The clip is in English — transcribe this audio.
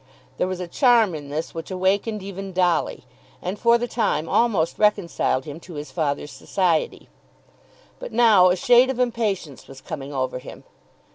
There was a charm in this which awakened even Dolly, and for the time almost reconciled him to his father's society. But now a shade of impatience was coming over him.